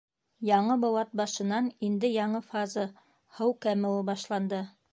Яңы быуат башынан инде яңы фаза — һыу кәмеүе башланды.